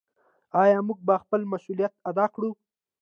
آیا موږ به خپل مسوولیت ادا کړو؟